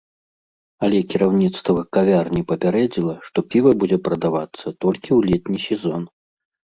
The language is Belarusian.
Але кіраўніцтва кавярні папярэдзіла, што піва будзе прадавацца толькі ў летні сезон.